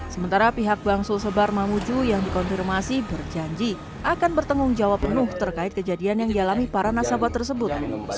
sementara pihak bang sulsebar mamuju yang dikonfirmasi berjanji akan bertanggung jawab penuh terkait kejadian yang dialami para nasabah tersebut